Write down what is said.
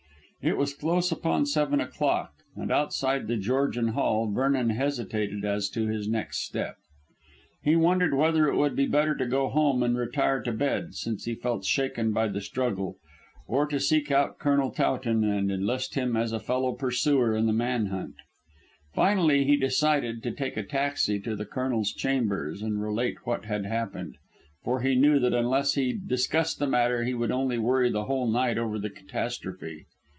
It was close upon seven o'clock, and outside The Georgian Hall Vernon hesitated as to his next step. He wondered whether it would be better to go home and retire to bed, since he felt shaken by the struggle, or to seek out Colonel Towton and enlist him as a fellow pursuer in the man hunt. Finally he decided to take a taxi to the Colonel's chambers and relate what had happened, for he knew that unless he discussed the matter he would only worry the whole night over the catastrophe.